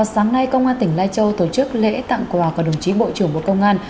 sáng nay công an tỉnh lai châu tổ chức lễ tặng quà của đồng chí bộ trưởng bộ công an